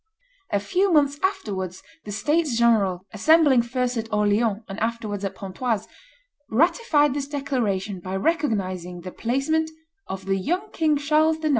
A few months afterwards the states general, assembling first at Orleans and afterwards at Pontoise, ratified this declaration by recognizing the placement of "the young King Charles IX.